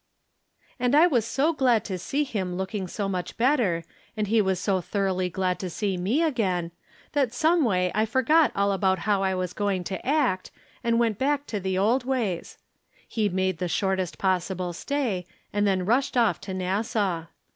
And I was so glad to see him looking so much better,' and he was so thoroughly glad to see me again, that someway I forgot all about how I was going to act, and went back to the old ways. He made the shortest possible stay, and then rushed off to Nassau.